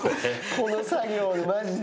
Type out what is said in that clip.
この作業マジで。